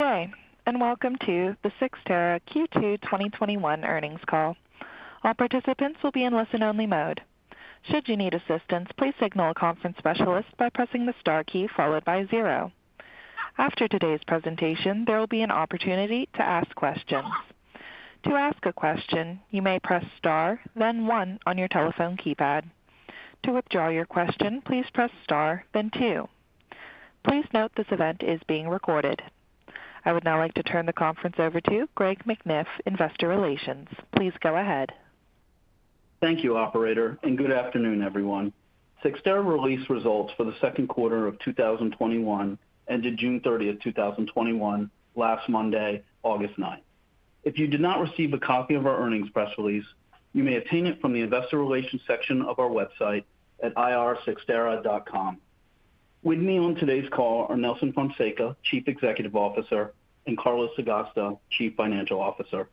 Good day, and welcome to the Cyxtera Q2 2021 earnings call. I would now like to turn the conference over to Greer Aviv, Investor Relations. Please go ahead. Thank you, operator, and good afternoon, everyone. Cyxtera released results for the second quarter of 2021, ended June 30th, 2021, last Monday, August 9th. If you did not receive a copy of our earnings press release, you may obtain it from the investor relations section of our website at ir.cyxtera.com. With me on today's call are Nelson Fonseca, Chief Executive Officer, and Carlos Sagasta, Chief Financial Officer.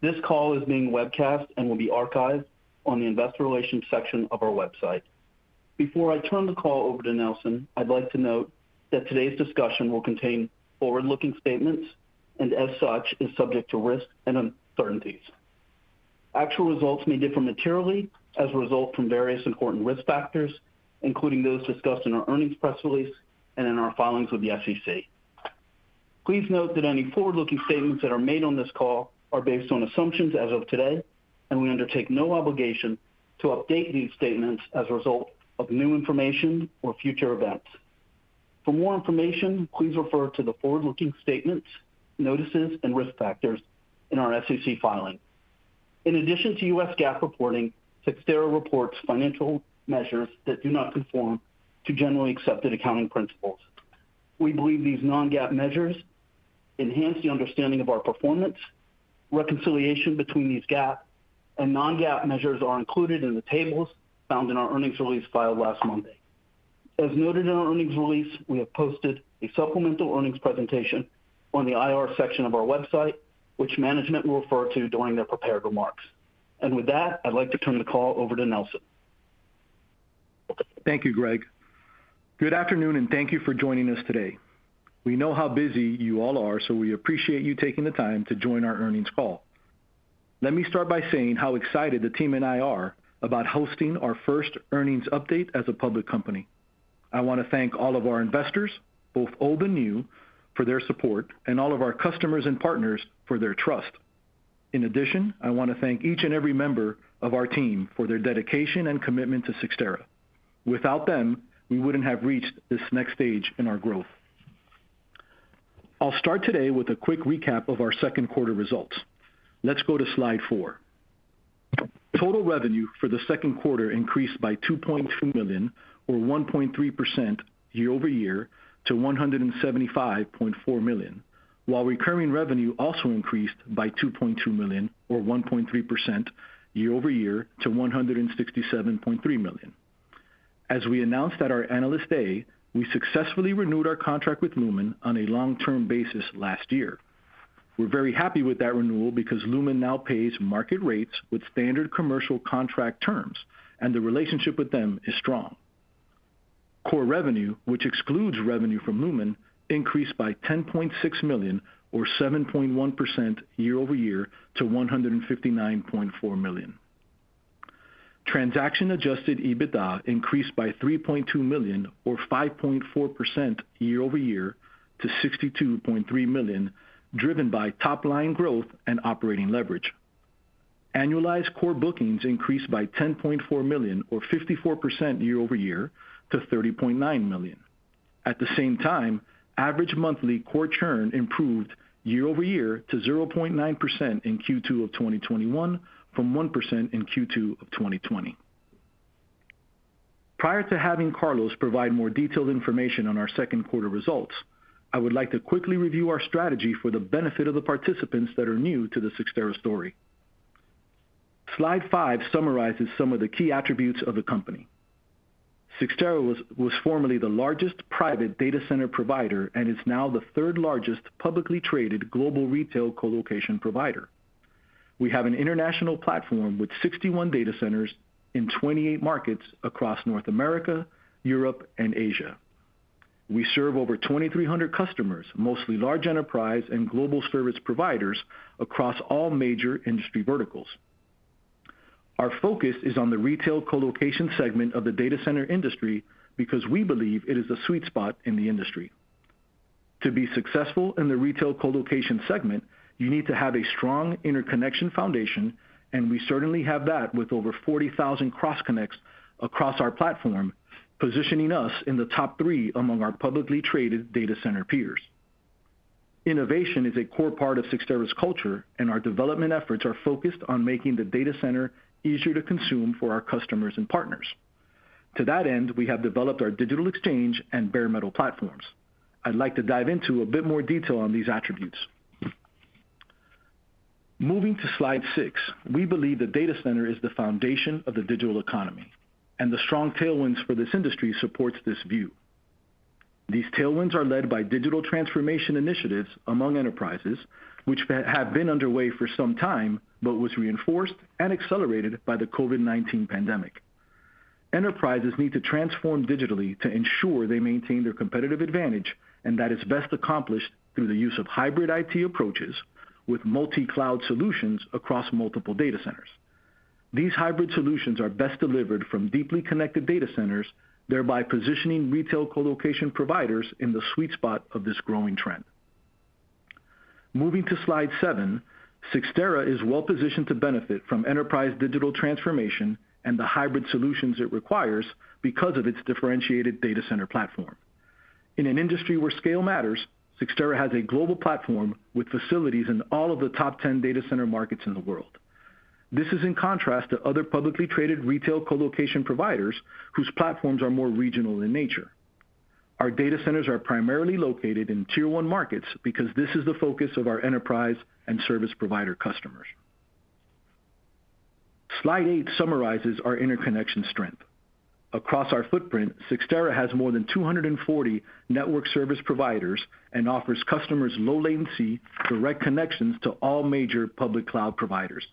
This call is being webcast and will be archived on the investor relations section of our website. Before I turn the call over to Nelson, I'd like to note that today's discussion will contain forward-looking statements, and as such, is subject to risk and uncertainties. Actual results may differ materially as a result from various important risk factors, including those discussed in our earnings press release and in our filings with the SEC. Please note that any forward-looking statements that are made on this call are based on assumptions as of today, and we undertake no obligation to update these statements as a result of new information or future events. For more information, please refer to the forward-looking statements, notices, and risk factors in our SEC filing. In addition to U.S. GAAP reporting, Cyxtera reports financial measures that do not conform to generally accepted accounting principles. We believe these non-GAAP measures enhance the understanding of our performance. Reconciliation between these GAAP and non-GAAP measures are included in the tables found in our earnings release filed last Monday. As noted in our earnings release, we have posted a supplemental earnings presentation on the IR section of our website, which management will refer to during their prepared remarks. With that, I'd like to turn the call over to Nelson. Thank you, Greer. Good afternoon. Thank you for joining us today. We know how busy you all are. We appreciate you taking the time to join our earnings call. Let me start by saying how excited the team and I are about hosting our first earnings update as a public company. I want to thank all of our investors, both old and new, for their support, and all of our customers and partners for their trust. In addition, I want to thank each and every member of our team for their dedication and commitment to Cyxtera. Without them, we wouldn't have reached this next stage in our growth. I'll start today with a quick recap of our second quarter results. Let's go to slide four. Total revenue for the second quarter increased by $2.2 million or 1.3% year-over-year to $175.4 million, while recurring revenue also increased by $2.2 million or 1.3% year-over-year to $167.3 million. As we announced at our Analyst Day, we successfully renewed our contract with Lumen on a long-term basis last year. We're very happy with that renewal because Lumen now pays market rates with standard commercial contract terms, and the relationship with them is strong. Core revenue, which excludes revenue from Lumen, increased by $10.6 million or 7.1% year-over-year to $159.4 million. Transaction-adjusted EBITDA increased by $3.2 million or 5.4% year-over-year to $62.3 million, driven by top-line growth and operating leverage. Annualized core bookings increased by $10.4 million or 54% year-over-year to $30.9 million. At the same time, average monthly core churn improved year-over-year to 0.9% in Q2 of 2021 from 1% in Q2 of 2020. Prior to having Carlos provide more detailed information on our second quarter results, I would like to quickly review our strategy for the benefit of the participants that are new to the Cyxtera story. Slide 5 summarizes some of the key attributes of the company. Cyxtera was formerly the largest private data center provider and is now the third largest publicly traded global retail colocation provider. We have an international platform with 61 data centers in 28 markets across North America, Europe, and Asia. We serve over 2,300 customers, mostly large enterprise and global service providers across all major industry verticals. Our focus is on the retail colocation segment of the data center industry because we believe it is the sweet spot in the industry. To be successful in the retail colocation segment, you need to have a strong interconnection foundation, and we certainly have that with over 40,000 cross connects across our platform, positioning us in the top three among our publicly traded data center peers. Innovation is a core part of Cyxtera's culture, and our development efforts are focused on making the data center easier to consume for our customers and partners. To that end, we have developed our Digital Exchange and Bare Metal platforms. I'd like to dive into a bit more detail on these attributes. Moving to slide 6, we believe the data center is the foundation of the digital economy, and the strong tailwinds for this industry supports this view. These tailwinds are led by digital transformation initiatives among enterprises, which have been underway for some time, but was reinforced and accelerated by the COVID-19 pandemic. Enterprises need to transform digitally to ensure they maintain their competitive advantage, and that is best accomplished through the use of hybrid IT approaches with multi-cloud solutions across multiple data centers. These hybrid solutions are best delivered from deeply connected data centers, thereby positioning retail colocation providers in the sweet spot of this growing trend. Moving to slide 7, Cyxtera is well-positioned to benefit from enterprise digital transformation and the hybrid solutions it requires because of its differentiated data center platform. In an industry where scale matters, Cyxtera has a global platform with facilities in all of the top 10 data center markets in the world. This is in contrast to other publicly traded retail colocation providers whose platforms are more regional in nature. Our data centers are primarily located in tier one markets because this is the focus of our enterprise and service provider customers. Slide 8 summarizes our interconnection strength. Across our footprint, Cyxtera has more than 240 network service providers and offers customers low latency, direct connections to all major public cloud providers.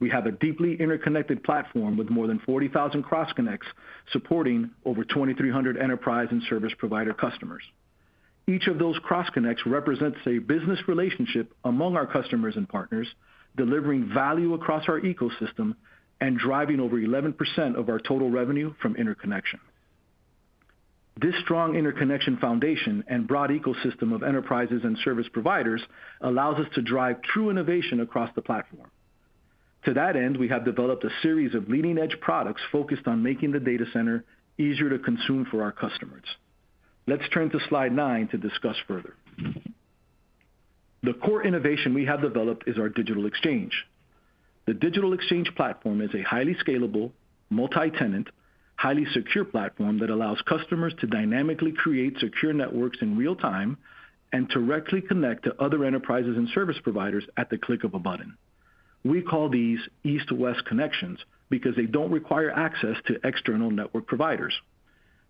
We have a deeply interconnected platform with more than 40,000 cross connects supporting over 2,300 enterprise and service provider customers. Each of those cross connects represents a business relationship among our customers and partners, delivering value across our ecosystem and driving over 11% of our total revenue from interconnection. This strong interconnection foundation and broad ecosystem of enterprises and service providers allows us to drive true innovation across the platform. To that end, we have developed a series of leading-edge products focused on making the data center easier to consume for our customers. Let's turn to slide 9 to discuss further. The core innovation we have developed is our Digital Exchange. The Digital Exchange platform is a highly scalable, multi-tenant, highly secure platform that allows customers to dynamically create secure networks in real time and directly connect to other enterprises and service providers at the click of a button. We call these east-west connections because they don't require access to external network providers.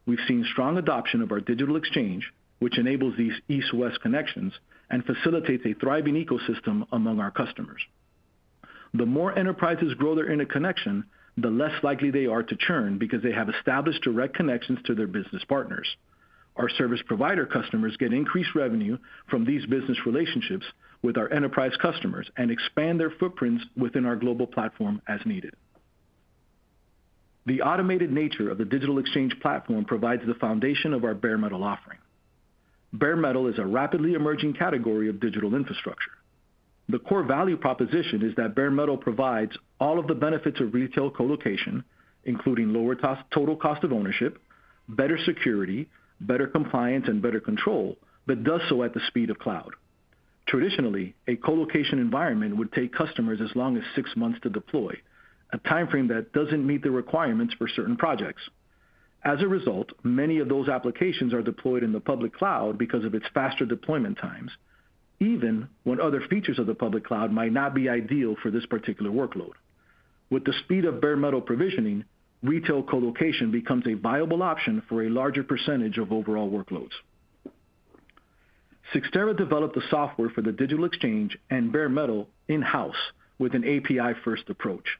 We've seen strong adoption of our Digital Exchange, which enables these east-west connections and facilitates a thriving ecosystem among our customers. The more enterprises grow their interconnection, the less likely they are to churn because they have established direct connections to their business partners. Our service provider customers get increased revenue from these business relationships with our enterprise customers and expand their footprints within our global platform as needed. The automated nature of the Digital Exchange platform provides the foundation of our Bare Metal offering. Bare Metal is a rapidly emerging category of digital infrastructure. The core value proposition is that Bare Metal provides all of the benefits of retail colocation, including lower total cost of ownership, better security, better compliance, and better control, but does so at the speed of cloud. Traditionally, a colocation environment would take customers as long as six months to deploy, a timeframe that doesn't meet the requirements for certain projects. As a result, many of those applications are deployed in the public cloud because of its faster deployment times, even when other features of the public cloud might not be ideal for this particular workload. With the speed of Bare Metal provisioning, retail colocation becomes a viable option for a larger percentage of overall workloads. Cyxtera developed the software for the Digital Exchange and Bare Metal in-house with an API first approach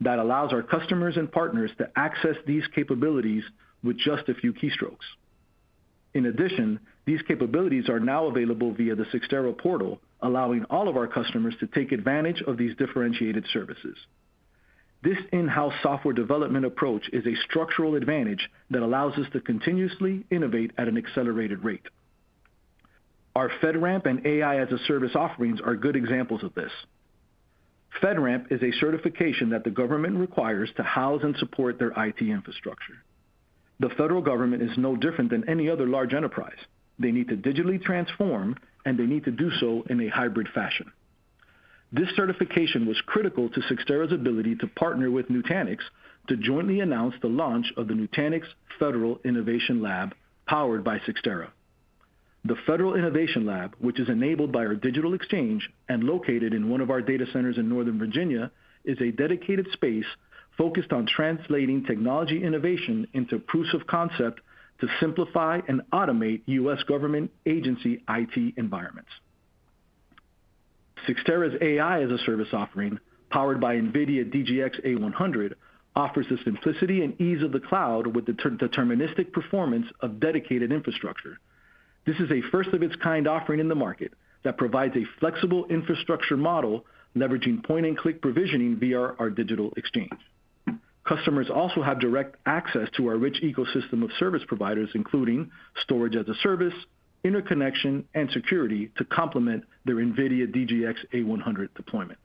that allows our customers and partners to access these capabilities with just a few keystrokes. In addition, these capabilities are now available via the Cyxtera Portal, allowing all of our customers to take advantage of these differentiated services. This in-house software development approach is a structural advantage that allows us to continuously innovate at an accelerated rate. Our FedRAMP and AI-as-a-service offerings are good examples of this. FedRAMP is a certification that the government requires to house and support their IT infrastructure. The federal government is no different than any other large enterprise. They need to digitally transform, and they need to do so in a hybrid fashion. This certification was critical to Cyxtera's ability to partner with Nutanix to jointly announce the launch of the Nutanix Federal Innovation Lab powered by Cyxtera. The Nutanix Federal Innovation Lab, which is enabled by our Digital Exchange and located in one of our data centers in Northern Virginia, is a dedicated space focused on translating technology innovation into proofs of concept to simplify and automate U.S. government agency IT environments. Cyxtera's AI/ML Compute as a Service offering, powered by NVIDIA DGX A100, offers the simplicity and ease of the cloud with deterministic performance of dedicated infrastructure. This is a first of its kind offering in the market that provides a flexible infrastructure model leveraging point and click provisioning via our Digital Exchange. Customers also have direct access to our rich ecosystem of service providers, including storage as a service, interconnection, and security to complement their NVIDIA DGX A100 deployment.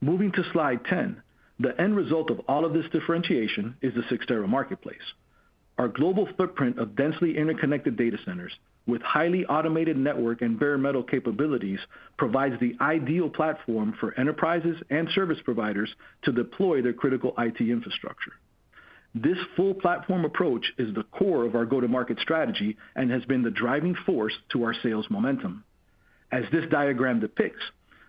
Moving to slide 10, the end result of all of this differentiation is the Cyxtera Marketplace. Our global footprint of densely interconnected data centers with highly automated network and Bare Metal capabilities provides the ideal platform for enterprises and service providers to deploy their critical IT infrastructure. This full platform approach is the core of our go-to-market strategy and has been the driving force to our sales momentum. As this diagram depicts,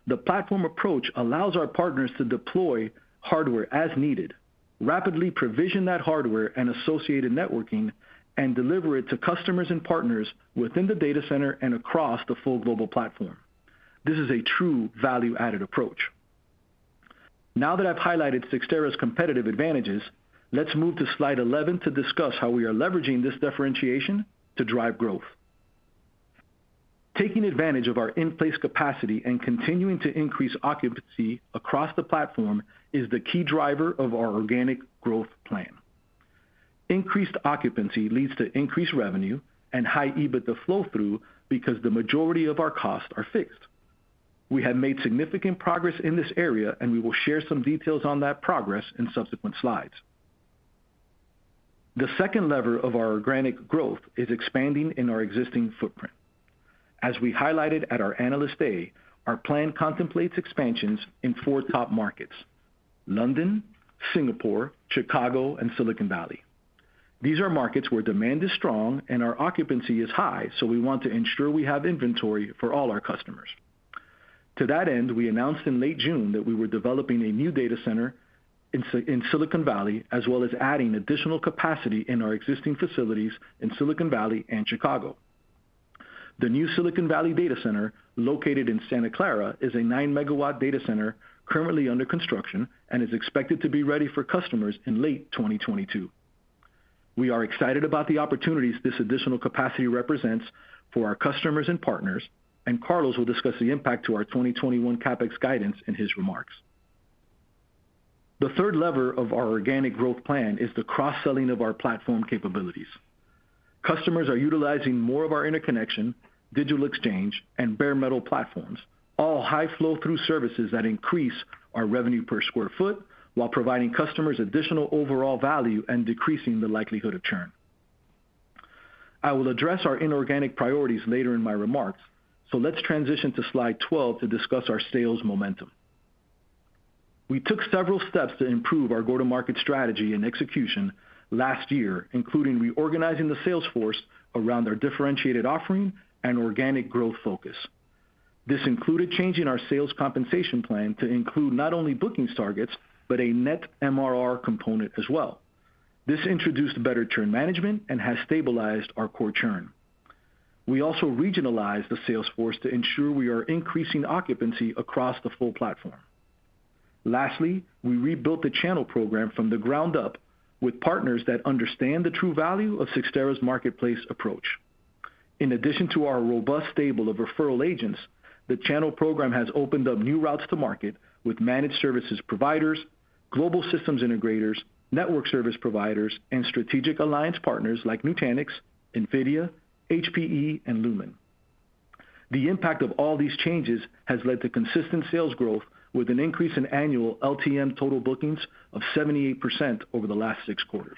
the platform approach allows our partners to deploy hardware as needed, rapidly provision that hardware and associated networking, and deliver it to customers and partners within the data center and across the full global platform. This is a true value-added approach. Now that I've highlighted Cyxtera's competitive advantages, let's move to slide 11 to discuss how we are leveraging this differentiation to drive growth. Taking advantage of our in-place capacity and continuing to increase occupancy across the platform is the key driver of our organic growth plan. Increased occupancy leads to increased revenue and high EBITDA flow-through because the majority of our costs are fixed. We have made significant progress in this area, and we will share some details on that progress in subsequent slides. The second lever of our organic growth is expanding in our existing footprint. As we highlighted at our Analyst Day, our plan contemplates expansions in four top markets, London, Singapore, Chicago, and Silicon Valley. These are markets where demand is strong and our occupancy is high, so we want to ensure we have inventory for all our customers. To that end, we announced in late June that we were developing a new data center in Silicon Valley, as well as adding additional capacity in our existing facilities in Silicon Valley and Chicago. The new Silicon Valley data center, located in Santa Clara, is a nine-megawatt data center currently under construction and is expected to be ready for customers in late 2022. We are excited about the opportunities this additional capacity represents for our customers and partners, and Carlos will discuss the impact to our 2021 CapEx guidance in his remarks. The third lever of our organic growth plan is the cross-selling of our platform capabilities. Customers are utilizing more of our interconnection, Digital Exchange, and Bare Metal platforms, all high flow-through services that increase our revenue per square foot while providing customers additional overall value and decreasing the likelihood of churn. I will address our inorganic priorities later in my remarks. Let's transition to slide 12 to discuss our sales momentum. We took several steps to improve our go-to-market strategy and execution last year, including reorganizing the sales force around our differentiated offering and organic growth focus. This included changing our sales compensation plan to include not only bookings targets, but a net MRR component as well. This introduced better churn management and has stabilized our core churn. We also regionalized the sales force to ensure we are increasing occupancy across the full platform. Lastly, we rebuilt the channel program from the ground up with partners that understand the true value of Cyxtera's Marketplace approach. In addition to our robust stable of referral agents, the channel program has opened up new routes to market with managed services providers, global systems integrators, network service providers, and strategic alliance partners like Nutanix, NVIDIA, HPE, and Lumen. The impact of all these changes has led to consistent sales growth with an increase in annual LTM total bookings of 78% over the last six quarters.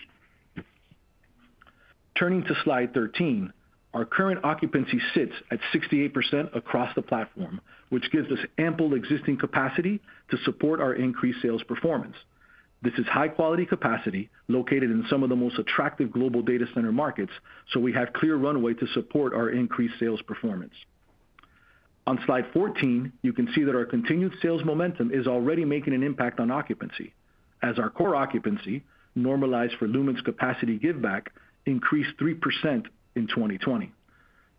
Turning to Slide 13, our current occupancy sits at 68% across the platform, which gives us ample existing capacity to support our increased sales performance. This is high-quality capacity located in some of the most attractive global data center markets, so we have clear runway to support our increased sales performance. On Slide 14, you can see that our continued sales momentum is already making an impact on occupancy, as our core occupancy, normalized for Lumen's capacity give back, increased 3% in 2020.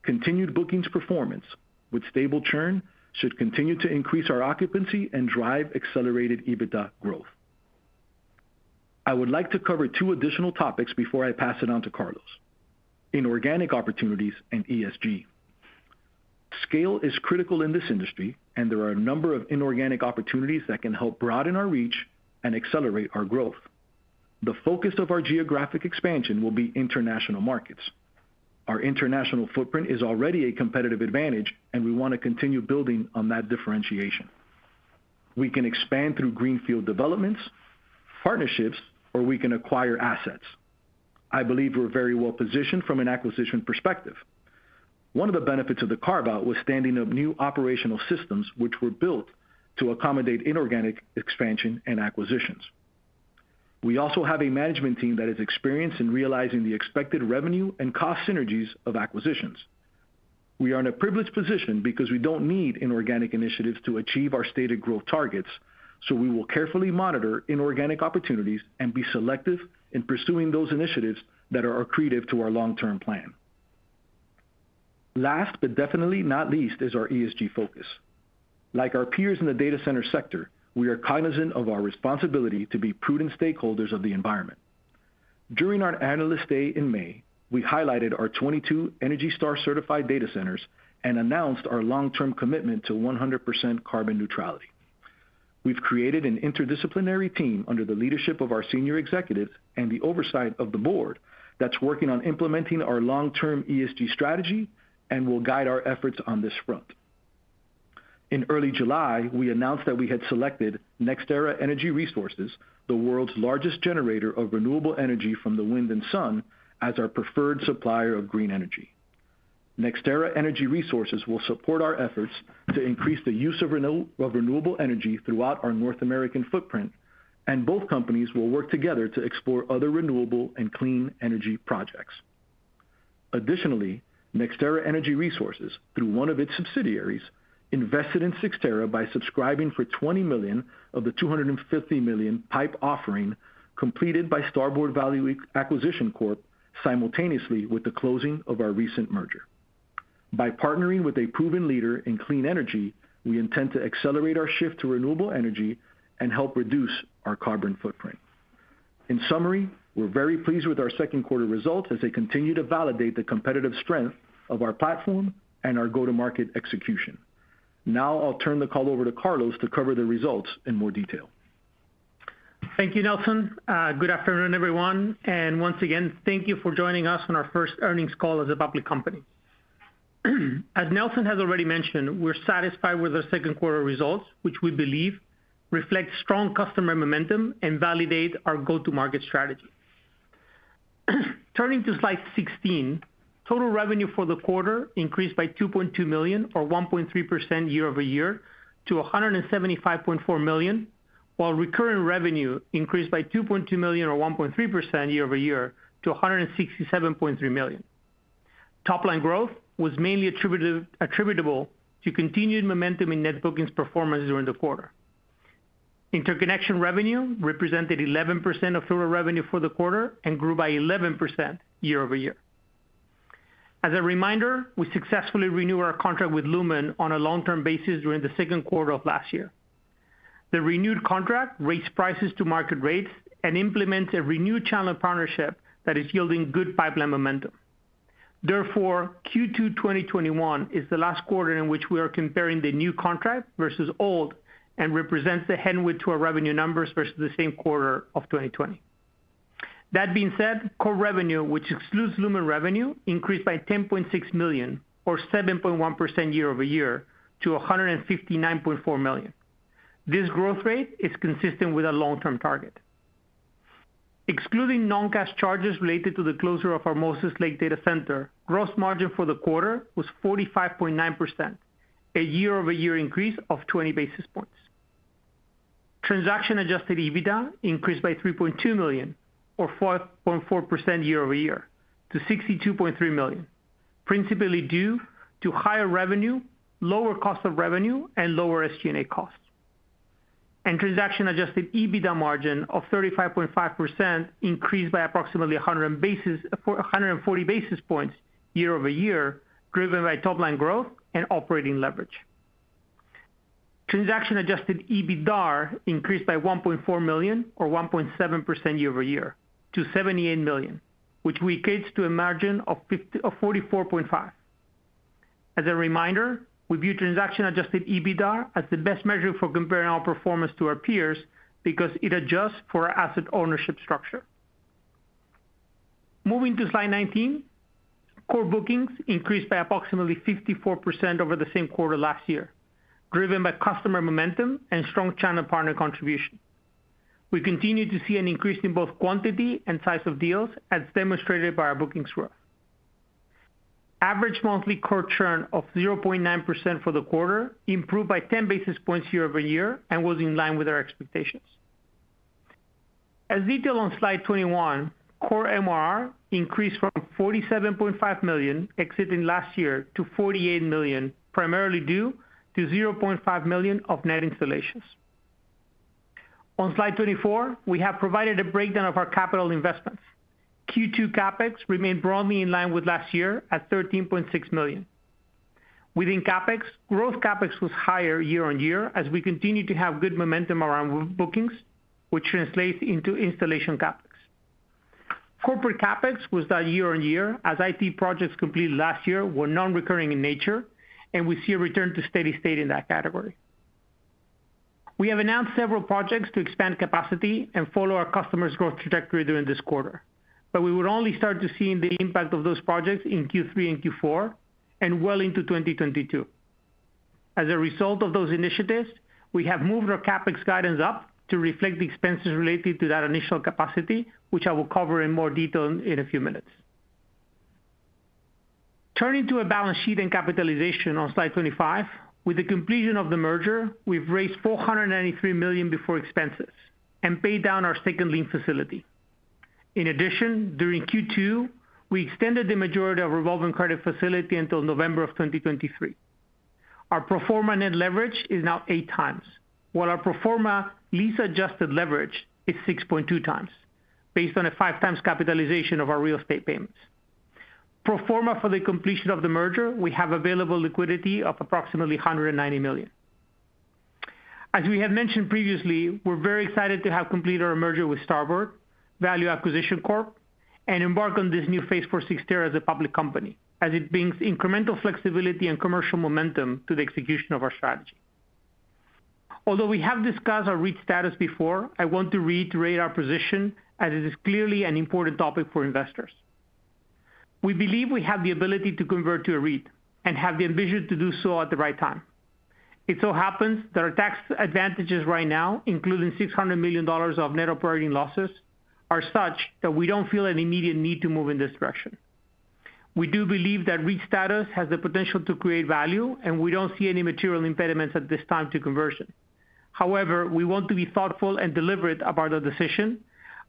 Continued bookings performance with stable churn should continue to increase our occupancy and drive accelerated EBITDA growth. I would like to cover two additional topics before I pass it on to Carlos, inorganic opportunities and ESG. Scale is critical in this industry, and there are a number of inorganic opportunities that can help broaden our reach and accelerate our growth. The focus of our geographic expansion will be international markets. Our international footprint is already a competitive advantage, and we want to continue building on that differentiation. We can expand through greenfield developments, partnerships, or we can acquire assets. I believe we're very well positioned from an acquisition perspective. One of the benefits of the carve-out was standing up new operational systems which were built to accommodate inorganic expansion and acquisitions. We also have a management team that is experienced in realizing the expected revenue and cost synergies of acquisitions. We are in a privileged position because we don't need inorganic initiatives to achieve our stated growth targets. We will carefully monitor inorganic opportunities and be selective in pursuing those initiatives that are accretive to our long-term plan. Last but definitely not least, is our ESG focus. Like our peers in the data center sector, we are cognizant of our responsibility to be prudent stakeholders of the environment. During our Analyst Day in May, we highlighted our 22 ENERGY STAR certified data centers and announced our long-term commitment to 100% carbon neutrality. We've created an interdisciplinary team under the leadership of our senior executives and the oversight of the board that's working on implementing our long-term ESG strategy and will guide our efforts on this front. In early July, we announced that we had selected NextEra Energy Resources, the world's largest generator of renewable energy from the wind and sun, as our preferred supplier of green energy. NextEra Energy Resources will support our efforts to increase the use of renewable energy throughout our North American footprint, and both companies will work together to explore other renewable and clean energy projects. Additionally, NextEra Energy Resources, through one of its subsidiaries, invested in Cyxtera by subscribing for $20 million of the $250 million PIPE offering completed by Starboard Value Acquisition Corp simultaneously with the closing of our recent merger. By partnering with a proven leader in clean energy, we intend to accelerate our shift to renewable energy and help reduce our carbon footprint. In summary, we're very pleased with our second quarter results as they continue to validate the competitive strength of our platform and our go-to-market execution. Now I'll turn the call over to Carlos to cover the results in more detail. Thank you, Nelson. Good afternoon, everyone. Once again, thank you for joining us on our first earnings call as a public company. As Nelson has already mentioned, we're satisfied with the second quarter results, which we believe reflect strong customer momentum and validate our go-to-market strategy. Turning to Slide 16, total revenue for the quarter increased by $2.2 million or 1.3% year-over-year to $175.4 million, while recurring revenue increased by $2.2 million or 1.3% year-over-year to $167.3 million. Top line growth was mainly attributable to continued momentum in net bookings performance during the quarter. Interconnection revenue represented 11% of total revenue for the quarter and grew by 11% year-over-year. As a reminder, we successfully renew our contract with Lumen on a long-term basis during the second quarter of last year. The renewed contract raised prices to market rates and implements a renewed channel partnership that is yielding good pipeline momentum. Q2 2021 is the last quarter in which we are comparing the new contract versus old, and represents the headwind to our revenue numbers versus the same quarter of 2020. That being said, core revenue, which excludes Lumen revenue, increased by $10.6 million or 7.1% year-over-year to $159.4 million. This growth rate is consistent with our long-term target. Excluding non-cash charges related to the closure of our Moses Lake data center, gross margin for the quarter was 45.9%, a year-over-year increase of 20 basis points. Transaction adjusted EBITDA increased by $3.2 million or 4.4% year-over-year to $62.3 million, principally due to higher revenue, lower cost of revenue, and lower SG&A costs. Transaction-adjusted EBITDA margin of 35.5% increased by approximately 140 basis points year-over-year, driven by top line growth and operating leverage. Transaction-adjusted EBITDAR increased by $1.4 million or 1.7% year-over-year to $78 million, which we gauge to a margin of 44.5%. As a reminder, we view transaction-adjusted EBITDAR as the best measure for comparing our performance to our peers because it adjusts for our asset ownership structure. Moving to slide 19. Core bookings increased by approximately 54% over the same quarter last year, driven by customer momentum and strong channel partner contribution. We continue to see an increase in both quantity and size of deals as demonstrated by our bookings growth. Average monthly core churn of 0.9% for the quarter improved by 10 basis points year-over-year and was in line with our expectations. As detailed on Slide 21, core MRR increased from $47.5 million exiting last year to $48 million, primarily due to $0.5 million of net installations. On slide 24, we have provided a breakdown of our capital investments. Q2 CapEx remained broadly in line with last year at $13.6 million. Within CapEx, growth CapEx was higher year-on-year as we continued to have good momentum around bookings, which translates into installation CapEx. Corporate CapEx was down year-on-year as IT projects completed last year were non-recurring in nature, we see a return to steady state in that category. We would only start to see the impact of those projects in Q3 and Q4 and well into 2022. As a result of those initiatives, we have moved our CapEx guidance up to reflect the expenses related to that initial capacity, which I will cover in more detail in a few minutes. Turning to our balance sheet and capitalization on Slide 25. With the completion of the merger, we've raised $493 million before expenses and paid down our second lien facility. In addition, during Q2, we extended the majority of revolving credit facility until November of 2023. Our pro forma net leverage is now 8x, while our pro forma lease adjusted leverage is 6.2x, based on a 5x capitalization of our real estate payments. Pro forma for the completion of the merger, we have available liquidity of approximately $190 million. As we have mentioned previously, we're very excited to have completed our merger with Starboard Value Acquisition Corp, and embark on this new phase for Cyxtera as a public company, as it brings incremental flexibility and commercial momentum to the execution of our strategy. Although we have discussed our REIT status before, I want to reiterate our position, as it is clearly an important topic for investors. We believe we have the ability to convert to a REIT and have the ambition to do so at the right time. It so happens that our tax advantages right now, including $600 million of net operating losses, are such that we don't feel an immediate need to move in this direction. We do believe that REIT status has the potential to create value, and we don't see any material impediments at this time to conversion. However, we want to be thoughtful and deliberate about our decision,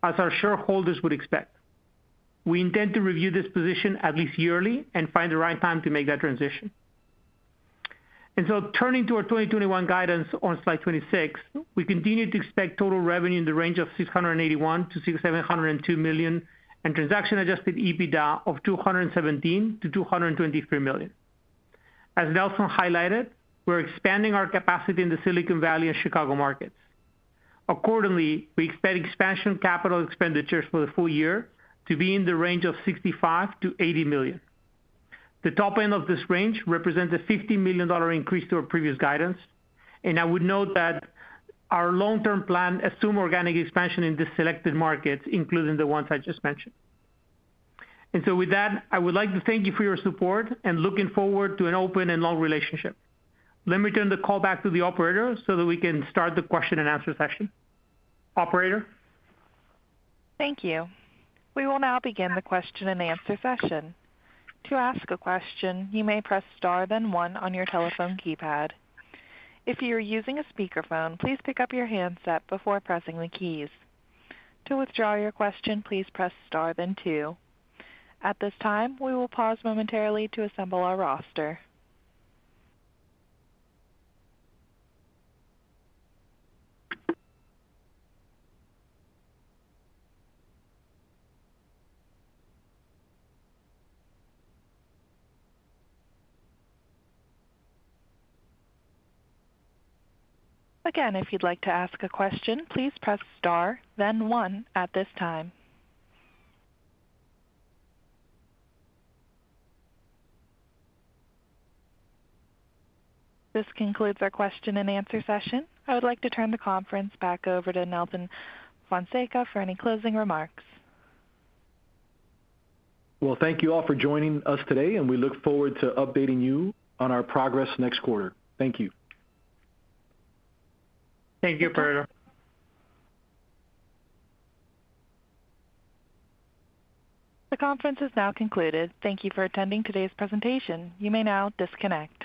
as our shareholders would expect. We intend to review this position at least yearly and find the right time to make that transition. Turning to our 2021 guidance on Slide 26, we continue to expect total revenue in the range of $681 million-$702 million, and transaction-adjusted EBITDA of $217 million-$223 million. As Nelson highlighted, we're expanding our capacity in the Silicon Valley and Chicago markets. Accordingly, we expect expansion capital expenditures for the full year to be in the range of $65 million-$80 million. The top end of this range represents a $50 million increase to our previous guidance, and I would note that our long-term plan assume organic expansion in the selected markets, including the ones I just mentioned. With that, I would like to thank you for your support and looking forward to an open and long relationship. Let me turn the call back to the operator so that we can start the question and answer session. Operator? Thank you. We will now begin the question and answer session. This concludes our question and answer session. I would like to turn the conference back over to Nelson Fonseca for any closing remarks. Thank you all for joining us today, and we look forward to updating you on our progress next quarter. Thank you. Thank you, operator. The conference is now concluded. Thank you for attending today's presentation. You may now disconnect.